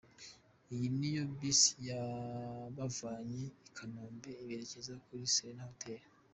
Iyi niyo bus yabavanye i Kanombe iberekeza kuri Serena hotel.